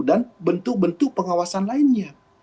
dan bentuk bentuk pengawasan lainnya